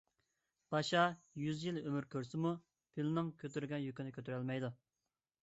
پاشا يۈز يىل ئۆمۈر كۆرسىمۇ، پىلنىڭ كۆتۈرگەن يۈكىنى كۆتۈرەلمەيدۇ.